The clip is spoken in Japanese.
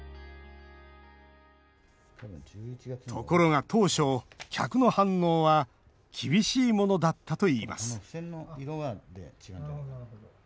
ところが当初、客の反応は厳しいものだったといいます